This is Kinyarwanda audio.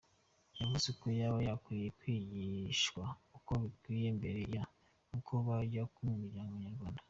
Yavuze ko baba bakwiye kwigishwa uko bikwiye mbere y’uko bajya mu muryango nyarwanda.